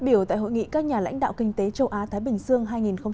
vì các nhà lãnh đạo kinh tế châu á thái bình xương hai nghìn hai mươi